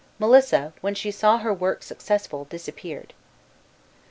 Melissa, when she saw her work successful, disappeared.